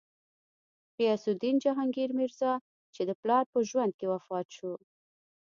غیاث الدین جهانګیر میرزا، چې د پلار په ژوند کې وفات شو.